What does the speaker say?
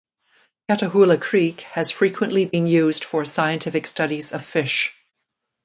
Catahoula Creek has frequently been used for scientific studies of fish.